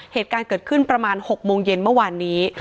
เหตุการณ์เกิดขึ้นประมาณ๖โมงเย็นเมื่อวานนี้